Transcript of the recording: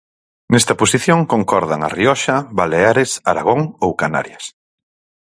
Nesta posición concordan A Rioxa, Baleares, Aragón ou Canarias.